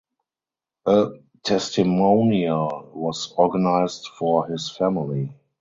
A testimonial was organised for his family.